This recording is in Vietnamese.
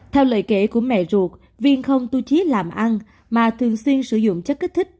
theo lời kể của mẹ ruột viên không tu trí làm ăn mà thường xuyên sử dụng chất kích thích